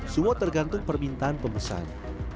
semua tergantung permintaan pembesar